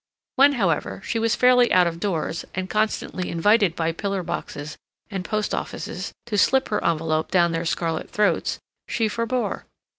When, however, she was fairly out of doors, and constantly invited by pillar boxes and post offices to slip her envelope down their scarlet throats, she forbore.